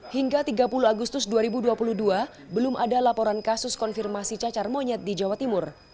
hingga tiga puluh agustus dua ribu dua puluh dua belum ada laporan kasus konfirmasi cacar monyet di jawa timur